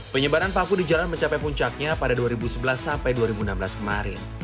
penyebaran paku di jalan mencapai puncaknya pada dua ribu sebelas sampai dua ribu enam belas kemarin